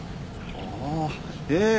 ああええ。